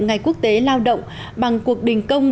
ngày quốc tế lao động bằng cuộc đình công